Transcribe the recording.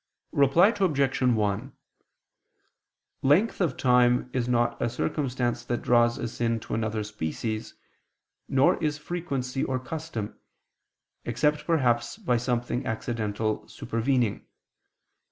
Reply Obj. 1: Length of time is not a circumstance that draws a sin to another species, nor is frequency or custom, except perhaps by something accidental supervening.